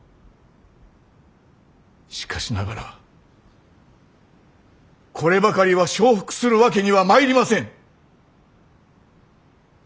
しかしながらこればかりは承服するわけにはまいりません。